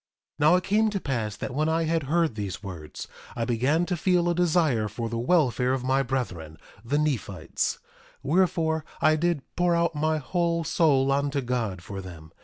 1:9 Now, it came to pass that when I had heard these words I began to feel a desire for the welfare of my brethren, the Nephites; wherefore, I did pour out my whole soul unto God for them.